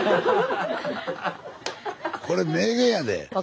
これ名言やで。